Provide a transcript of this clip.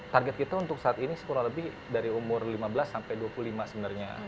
target kita untuk saat ini kurang lebih dari umur lima belas sampai dua puluh lima sebenarnya